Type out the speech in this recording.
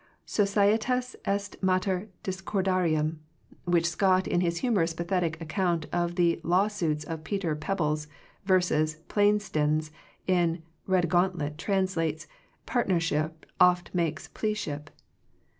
So cietas est mater discordiarum, which Scott in his humorous pathetic account of the law suits of Peter Peebles versus Plainstanes in "Redgauntlet," translates, Partnership oft makes pleaship.